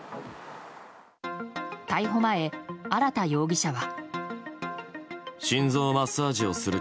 逮捕前、荒田容疑者は。